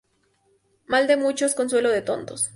Mal de muchos, consuelo de tontos